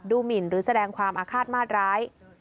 หมินหรือแสดงความอาฆาตมาตร้าย